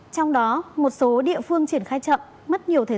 trong đó một số địa phương triển khai chậm